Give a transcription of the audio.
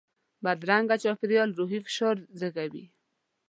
بدرنګه چاپېریال روحي فشار زیږوي